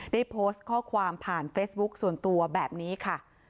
ได้โพสต์ข้อความผ่านเฟซบุ๊คส่วนตัวแบบนี้ค่ะ